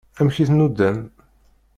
Amek i t-nudan?